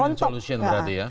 win solution berarti ya